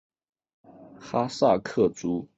哈萨克族。